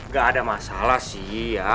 gak ada masalah sih ya